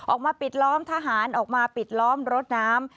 ออกมาปิดล้อมทหารออกมาปิดล้อมรถน้ำ